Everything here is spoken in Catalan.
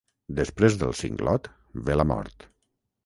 Després del singlot ve la mort.